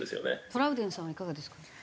トラウデンさんはいかがですか？